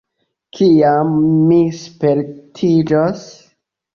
Kiam mi spertiĝos?